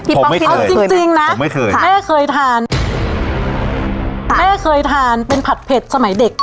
เอาจริงจริงนะไม่เคยค่ะแม่เคยทานแม่เคยทานเป็นผัดเผ็ดสมัยเด็ก